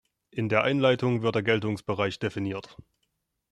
In der Einleitung wird der Geltungsbereich definiert.